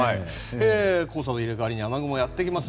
黄砂と入れ替わりに雨雲がやってきます。